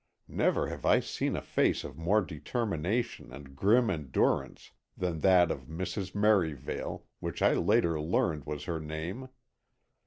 Never have I seen a face of more determination and grim endurance than that of Mrs. Merivale, which I later learned was her name.